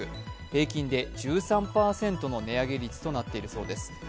平均で１３％の値上げ率となっているそうです。